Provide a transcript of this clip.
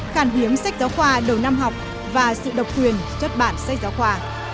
khàn hiếm sách giáo khoa đầu năm học và sự độc quyền chất bản sách giáo khoa